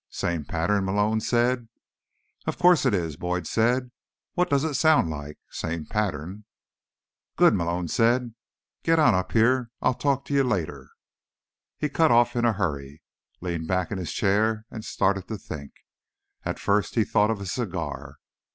"Same pattern?" Malone said. "Of course it is," Boyd said. "What does it sound like? Same pattern." "Good," Malone said. "Get on up here. I'll talk to you later." He cut off in a hurry, leaned back in his chair and started to think. At first, he thought of a cigar.